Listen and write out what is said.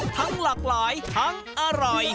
ทั้งหลากหลายทั้งอร่อย